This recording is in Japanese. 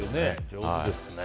上手ですね。